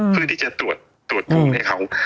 เพื่อที่จะตรวจภูมิให้เขา